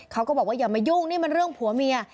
เขาก็บอกว่าอย่ามายุ่งนี่มันเรื่องผัวเมีย